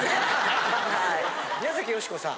宮崎美子さん